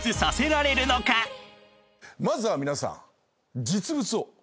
まずは皆さん。